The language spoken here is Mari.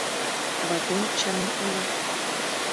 Ватем чыным ойла.